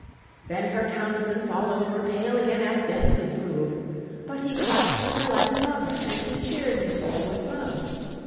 Then her countenance all over Pale again as death did prove: But he clasp'd her like a lover, And he cheer'd her soul with love.